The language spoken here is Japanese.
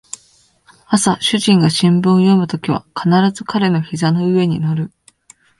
朝主人が新聞を読むときは必ず彼の膝の上に乗る